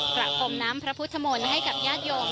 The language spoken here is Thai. ประพรมน้ำพระพุทธมนต์ให้กับญาติโยม